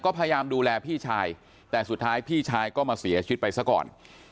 ก็พยายามดูแลพี่ชายแต่สุดท้ายพี่ชายก็มาเสียชีวิตไปซะก่อน